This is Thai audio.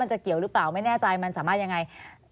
จะเกี่ยวหรือเปล่าไม่แน่ใจมันสามารถยังไง